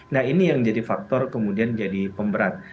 nah ini yang jadi faktor kemudian jadi pemberat